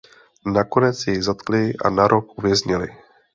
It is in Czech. Nakonec jej zatkli a na rok uvěznili.